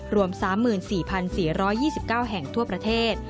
รวม๓๔๔๒๙แห่งทั่วประเทศ